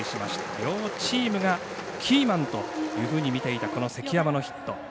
両チームがキーマンというふうに見ていたこの関山のヒット。